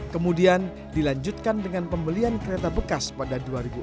kemudian dilanjutkan dengan pembelian kereta bekas pada dua ribu empat